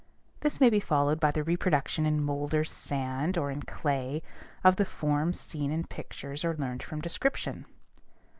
This may be followed by the reproduction in molder's sand, or in clay, of the forms seen in pictures or learned from description.